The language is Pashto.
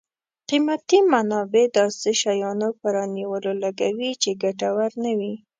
قیمتي منابع داسې شیانو په رانیولو لګوي چې ګټور نه وي.